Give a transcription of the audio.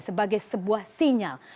sebagai sebuah sinyal